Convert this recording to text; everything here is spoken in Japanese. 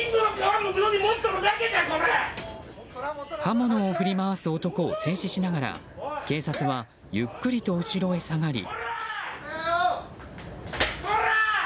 刃物を振り回す男を制止しながら警察はゆっくりと後ろへ下がり。